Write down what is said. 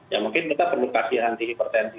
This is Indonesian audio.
ya mungkin kita perlu kasih anti hipertensi